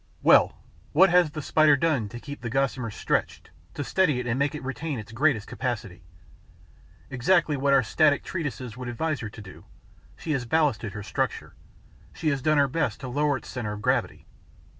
Well, what has the Spider done to keep the gossamer stretched, to steady it and to make it retain its greatest capacity? Exactly what our static treatises would advise her to do: she has ballasted her structure, she has done her best to lower its centre of gravity.